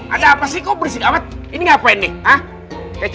ada apa sih ini ngapain nih